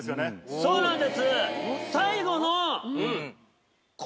そうなんです。